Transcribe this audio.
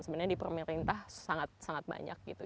sebenarnya di pemerintah sangat sangat banyak gitu